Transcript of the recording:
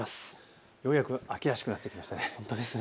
ようやく秋らしくなってきましたね。